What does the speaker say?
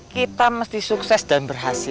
kita mesti sukses dan berhasil